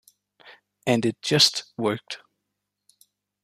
And it just worked.